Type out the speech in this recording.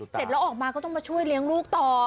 เสร็จแล้วออกมาก็ต้องมาช่วยเลี้ยงลูกต่อ